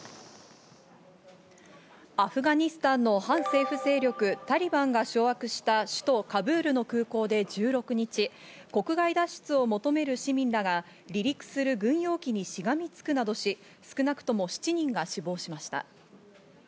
アフガニスタンの反政府勢力タリバンが掌握した首都カブールの空港で１６日、国外脱出を求める市民らが離陸する軍用機にしがみつくなどし少なくとも７人が死亡しました。